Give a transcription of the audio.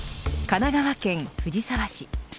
神奈川県藤沢市。